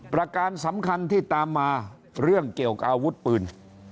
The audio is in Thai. การสำคัญที่ตามมาเรื่องเกี่ยวกับอาวุธปืน